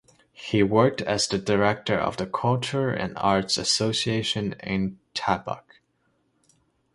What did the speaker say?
He worked as the director of the Culture and Arts Association in Tabuk.